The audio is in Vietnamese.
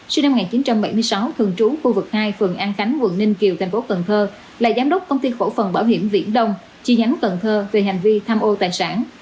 sinh năm một nghìn chín trăm bảy mươi sáu thường trú khu vực hai phường an khánh quận ninh kiều thành phố cần thơ là giám đốc công ty cổ phần bảo hiểm viễn đông chi nhánh cần thơ về hành vi tham ô tài sản